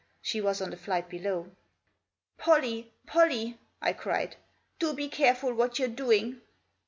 She was on the flight below. "Pollie! Pollie!" I cried. "Do be careful what you're doing."